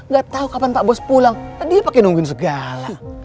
gatau kapan pak bos pulang dia pake nungguin segala